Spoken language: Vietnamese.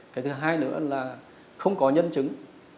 cái thứ hai nữa là không có nhân chứng